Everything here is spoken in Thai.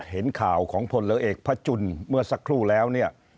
เห็นข่าวของพลเรือเอกพระจุลเมื่อสักครู่แล้วเนี่ย